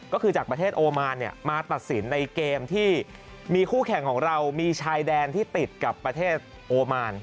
ก็คือจากประเทศโอมานมาตัดสินในเกมที่มีคู่แข่งของเรามีชายแดนที่ติดกับประเทศโอมาน